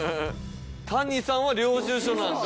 谷さんは領収書なんだ。